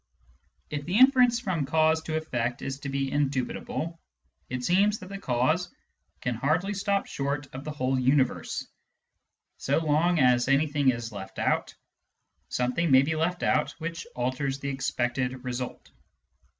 If the inference from cause to efFect is to be indubit able, it seems that the cause can hardly stop short of the whole universe. So long as anything is left out, something may be left out which alters the expected result.